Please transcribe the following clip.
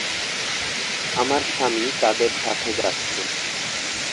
আমার স্বামী তাদের সাথে যাচ্ছে।